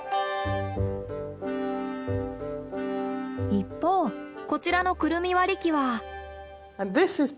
一方こちらのクルミ割り器は。